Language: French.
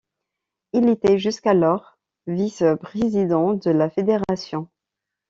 Il était jusqu'alors vice-président de la fédération.